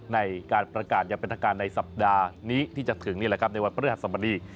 ในการประกาศอย่างเป็นทางการในสัปดาห์นี้ที่จะถึงนี่แหละครับในวันพฤหัสสมดี